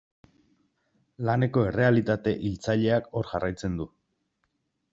Laneko errealitate hiltzaileak hor jarraitzen du.